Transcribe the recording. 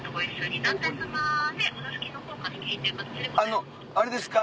あのあれですか？